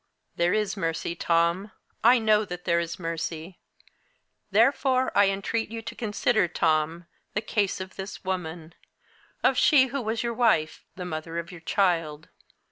There is mercy, Tom, I know that there is mercy! Therefore I entreat you to consider, Tom, the case of this woman of she who was your wife, the mother of your child.